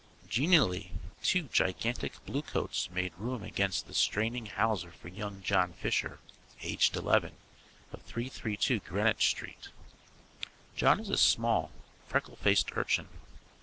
Genially two gigantic bluecoats made room against the straining hawser for young John Fisher, aged eleven, of 332 Greenwich Street. John is a small, freckle faced urchin.